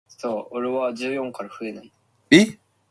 It can be liver colored or simply not present.